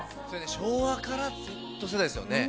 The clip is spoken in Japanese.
昭和からＺ世代ですよね。